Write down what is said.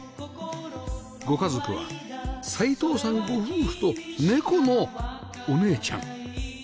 ご家族は齊藤さんご夫婦とネコのおねえちゃん